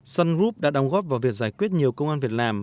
sun group đã đóng góp vào việc giải quyết nhiều công an việc làm